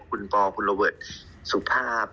คุณปอล์คุณโลเวิร์ตสุขภาพ